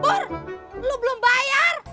bur lu belum bayar